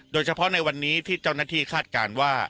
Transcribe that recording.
โดยเฉพาะในวันนี้ที่เจ้าหน้าที่คาดการณ์ว่า